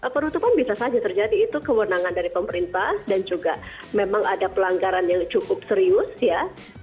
penutupan bisa saja terjadi itu kewenangan dari pemerintah dan juga memang ada pelanggaran yang cukup serius ya